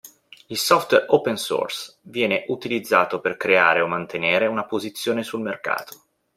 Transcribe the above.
Il software open source viene utilizzato per creare o mantenere una posizione sul mercato.